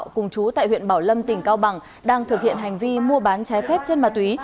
cùng chú tại huyện bảo lâm tỉnh cao bằng đang thực hiện hành vi mua bán trái phép chân ma túy